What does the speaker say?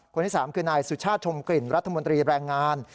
คนที่๓คือนายสุชาติชมกลิ่นรัฐมนตรีแรงงาน